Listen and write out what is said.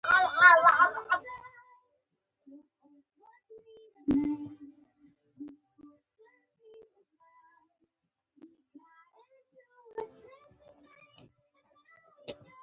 🚑 امبولانس